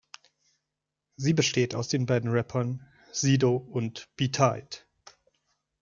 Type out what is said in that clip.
Sie besteht aus den beiden Rappern Sido und B-Tight.